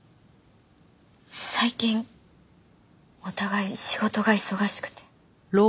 最近お互い仕事が忙しくて。